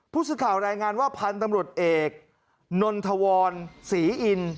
ผู้สื่อข่าวรายงานว่าพันธุ์ตำรวจเอกนนทวรศรีอิน